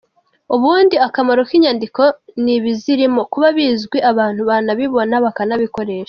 Ubundi akamaro k’inyandiko ni ibizirimo kuba bizwi, abantu banabibona banabikoresha.